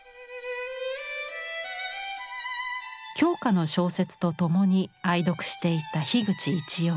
鏡花の小説とともに愛読していた樋口一葉。